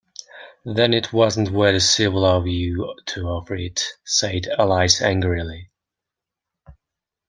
‘Then it wasn’t very civil of you to offer it,’ said Alice angrily.